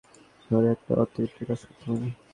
অনুভূতির কথা বললে, কয়েক বছর ধরেই একটা অতৃপ্তি কাজ করত মনে।